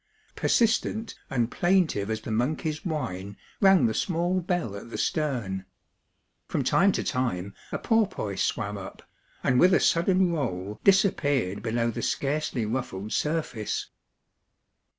Persistent and plaintive as the monkey's whine rang the small bell at the stern. From time to time a porpoise swam up, and with a sudden roll disappeared below the scarcely ruffled surface.